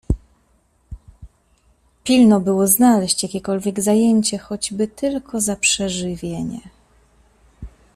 "Pilno było znaleźć jakiekolwiek zajęcie, choćby tylko za przeżywienie."